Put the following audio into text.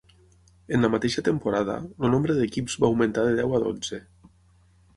En la mateixa temporada, el nombre d'equips va augmentar de deu a dotze.